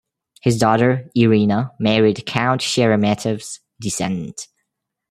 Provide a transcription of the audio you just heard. His daughter, Irina, married Count Sheremetev's descendant.